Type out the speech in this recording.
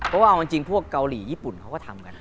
เพราะว่าเอาจริงพวกเกาหลีญี่ปุ่นเขาก็ทำกัน